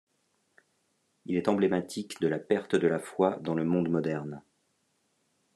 Il est emblématique de la perte de la foi dans le monde moderne.